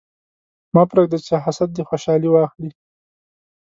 مه پرېږده چې حسد دې خوشحالي واخلي.